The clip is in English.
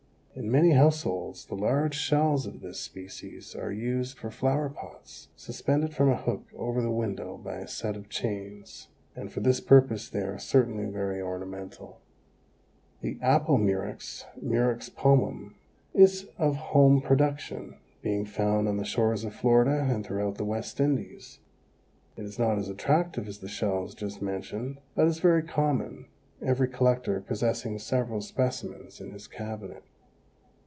In many households the large shells of this species are used for flower pots, suspended from a hook over the window by a set of chains, and for this purpose they are certainly very ornamental. The Apple Murex (Murex pomum) is of home production, being found on the shores of Florida and throughout the West Indies. It is not as attractive as the shells just mentioned, but is very common, every collector possessing several specimens in his cabinet.